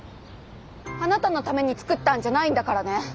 あなたのために作ったんじゃないんだからね！